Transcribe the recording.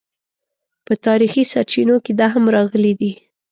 په تاریخي سرچینو کې دا هم راغلي دي.